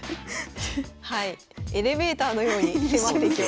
はいエレベーターのように迫っていきます。